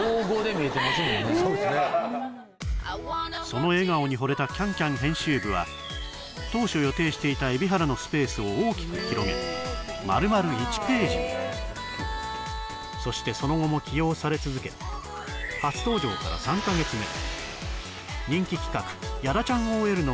その笑顔に惚れた「ＣａｎＣａｍ」編集部は当初予定していた蛯原のスペースを大きく広げそしてその後も起用され続け初登場から３カ月目